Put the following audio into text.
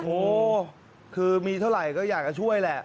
โอ้โหคือมีเท่าไหร่ก็อยากจะช่วยแหละ